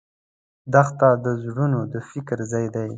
دښته د زړونو د فکر ځای دی.